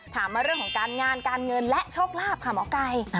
มาเรื่องของการงานการเงินและโชคลาภค่ะหมอไก่